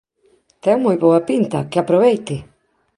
Ten moi boa pinta, que aproveite!